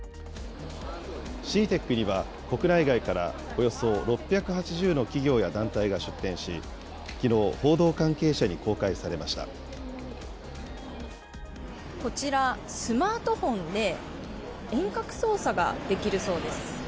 ＣＥＡＴＥＣには、国内外からおよそ６８０の企業や団体が出展し、きのう、こちら、スマートフォンで、遠隔操作ができるそうです。